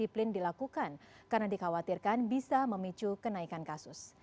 disiplin dilakukan karena dikhawatirkan bisa memicu kenaikan kasus